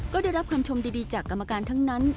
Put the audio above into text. ก็ได้รับคำชมดีจากกรรมการทั้งนั้น